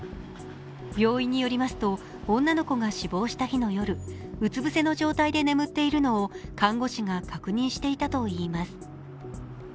病院によりますと、女の子が死亡した日の夜、うつ伏せの状態で眠っているのを看護師が確認していたといいます。